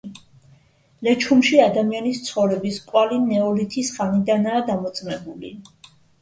ლეჩხუმში ადამიანის ცხოვრების კვალი ნეოლითის ხანიდანაა დამოწმებული.